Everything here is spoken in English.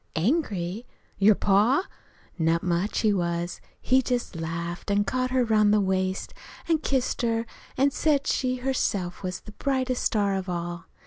"Angry? Your pa? Not much he was! He just laughed an' caught her 'round the waist an' kissed her, an' said she herself was the brightest star of all.